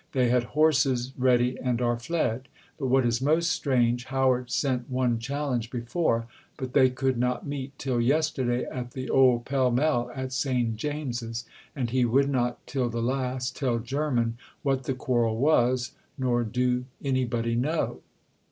They had horses ready and are fled. But what is most strange, Howard sent one challenge before, but they could not meet till yesterday at the old Pall Mall at St James's; and he would not till the last tell Jermyn what the quarrel was; nor do anybody know."